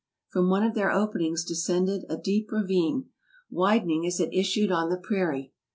From one of their openings descended a deep ravine, widening as it issued on the prairie.